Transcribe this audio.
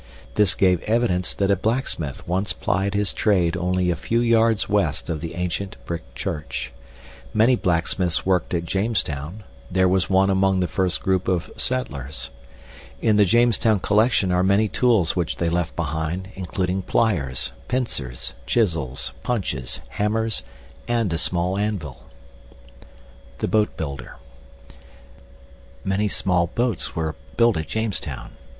This gave evidence that a blacksmith once plied his trade only a few yards west of the ancient brick church. Many blacksmiths worked at Jamestown (there was one among the first group of settlers). In the Jamestown collection are many tools which they left behind, including pliers, pincers, chisels, punches, hammers, and a small anvil. THE BOATBUILDER Many small boats were built at Jamestown.